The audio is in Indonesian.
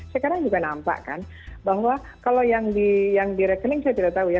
sekarang juga nampak kan bahwa kalau yang direkening saya tidak tahu ya